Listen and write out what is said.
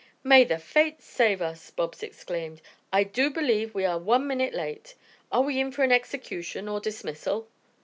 "May the Fates save us!" Bobs exclaimed. "I do believe we are one minute late. Are we in for execution or dismissal?"